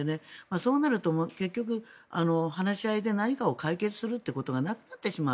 そうなると結局、話し合いで何かを解決するということがなくなってしまう。